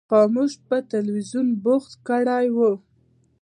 خاموش په تلویزیون بوخت کړی و.